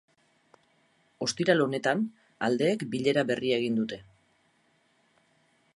Ostiral honetan aldeek bilera berria egin dute.